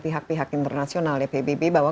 pihak pihak internasional ya pbb bahwa